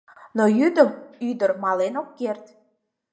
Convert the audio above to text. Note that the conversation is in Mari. Но йӱдым ӱдыр мален ок керт.